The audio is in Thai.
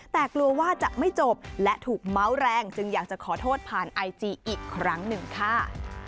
แต่กลัวว่าจะไม่จบและถูกเมาส์แรงจึงอยากจะขอโทษผ่านไอจีอีกครั้งหนึ่งค่ะ